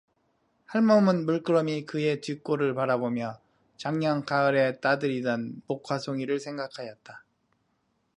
할멈은 물끄러미 그의 뒤꼴을 바라보며 작년 가을에 따들이던 목화 송이를 생각 하였다.